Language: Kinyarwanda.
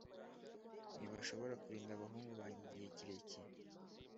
ntibashobora kurinda abahungu banjye igihe kirekire.